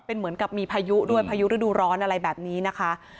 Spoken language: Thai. เป็นเหมือนกับมีพายุด้วยพายุฤดูร้อนอะไรแบบนี้นะคะ